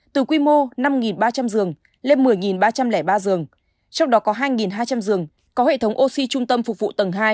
từ quy mô năm ba trăm linh giường lên một mươi ba trăm linh ba giường trong đó có hai hai trăm linh giường có hệ thống oxy trung tâm phục vụ tầng hai